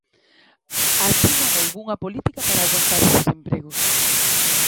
Aquí non houbo unha política para aguantar eses empregos.